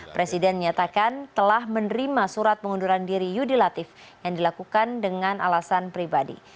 presiden menyatakan telah menerima surat pengunduran diri yudi latif yang dilakukan dengan alasan pribadi